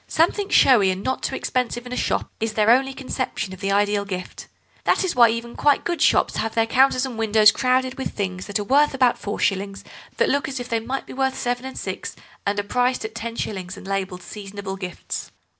Something showy and not too expensive in a shop is their only conception of the ideal gift. That is why even quite good shops have their counters and windows crowded with things worth about four shillings that look as if they might be worth seven and six, and are priced at ten shillings and labelled seasonable gifts.